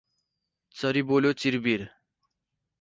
चरी बोल्यो चिरबिर ।